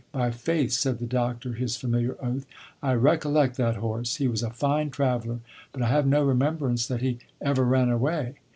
"By faith!" said the doctor (his familiar oath), "I recollect that horse; he was a fine traveler, but I have no remembrance that he ever ran away."